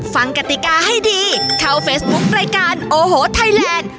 กติกาให้ดีเข้าเฟซบุ๊ครายการโอ้โหไทยแลนด์